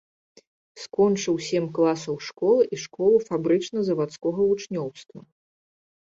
Скончыў сем класаў школы і школу фабрычна-заводскага вучнёўства.